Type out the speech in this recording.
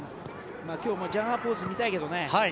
今日もジャガーポーズ見たいけどね。